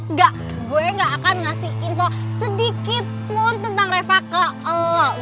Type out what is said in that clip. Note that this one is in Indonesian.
nggak gue ga akan ngasih info sedikitpun tentang reva ke lo